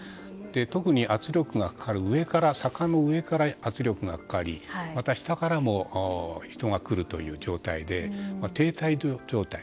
特に圧力がかかる、坂の上から圧力がかかりまた、下からも人が来るという状態で、停滞状態。